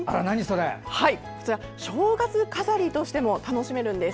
こちら、正月飾りとしても楽しめるんです。